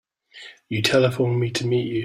You telephoned me to meet you.